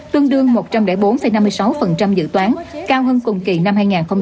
năm mươi sáu dự toán cao hơn cùng kỳ năm hai nghìn hai mươi